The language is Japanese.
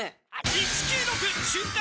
「１９６瞬間